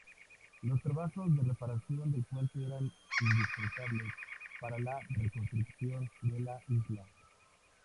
Los trabajos de reparación del puente eran indispensables para la reconstrucción de la isla.